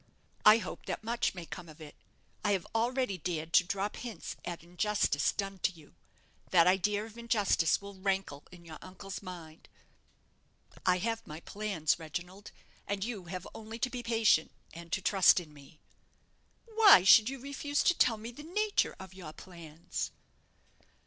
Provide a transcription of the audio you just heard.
"I hope that much may come of it. I have already dared to drop hints at injustice done to you. That idea of injustice will rankle in your uncle's mind. I have my plans, Reginald, and you have only to be patient, and to trust in me." "But why should you refuse to tell me the nature of your plans?"